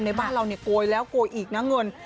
ในบ้านเราโกยแล้วโกยอีกนะเงิน